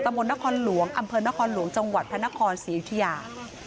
มนต์นครหลวงอำเภอนครหลวงจังหวัดพระนครศรีอยุธยา